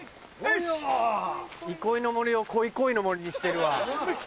「いこいの森」を「こいこいの森」にしてるわ。